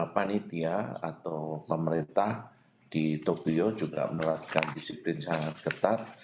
panitia atau pemerintah di tokyo juga menerapkan disiplin sangat ketat